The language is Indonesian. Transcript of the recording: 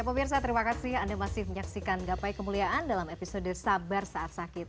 pemirsa terima kasih anda masih menyaksikan gapai kemuliaan dalam episode sabar saat sakit